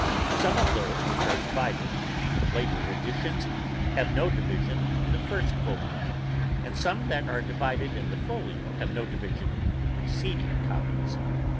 Some of those which are divided in the later editions have no division in the first folio, and some that are divided in the folio have no division in the preceding copies.